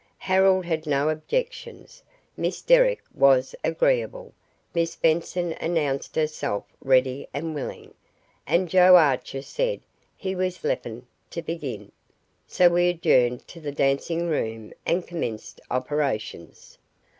Harold had no objections, Miss Derrick was agreeable, Miss Benson announced herself ready and willing, and Joe Archer said he was "leppin'" to begin, so we adjourned to the dancing room and commenced operations.